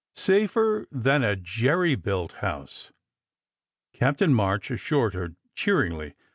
Safer than a jerry built house," Captain March assured her cheeringly